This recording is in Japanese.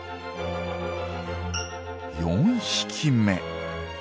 ４匹目。